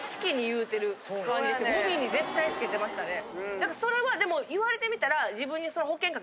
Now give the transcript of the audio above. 何かそれはでも言われてみたら。